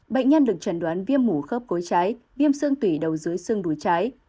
bệnh nhân được trần đoán viêm mũ khớp cối trái viêm xương tủy đầu dưới xương đuối trái